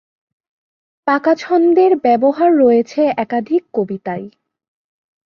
পাকা ছন্দের ব্যবহার রয়েছে একাধিক কবিতায়।